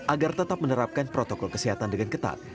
agar tetap menerapkan protokol kesehatan dengan ketat